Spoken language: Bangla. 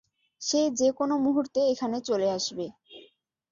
সে যেকোনো মুহুর্তে এখানে চলে আসবে।